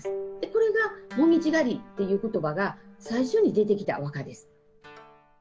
これが紅葉狩りということばが最初に出てきた和歌です。